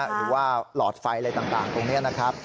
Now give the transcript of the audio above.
หรือว่าหลอดไฟอะไรต่างตรงนี้นะครับ